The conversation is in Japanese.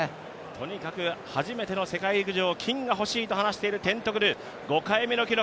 とにかく初めての世界陸上金がほしいと話すテントグル、５回目の記録